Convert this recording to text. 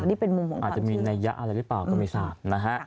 อาจจะมีนัยยะอะไรหรือเปล่าก็ไม่ทราบ